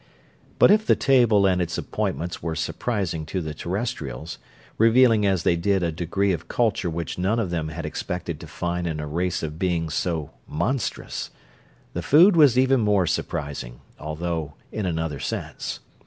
But if the table and its appointments were surprising to the Terrestrials, revealing as they did a degree of culture which none of them had expected to find in a race of beings so monstrous, the food was even more surprising, although in another sense.